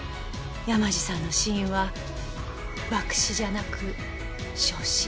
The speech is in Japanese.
山路さんの死因は爆死じゃなく焼死。